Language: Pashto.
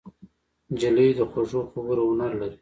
نجلۍ د خوږو خبرو هنر لري.